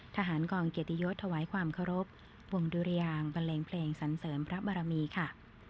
ทหารกองเกียรติยศถวายความเคารพวงดุรยางบันเลงเพลงสันเสริมพระบรมีค่ะ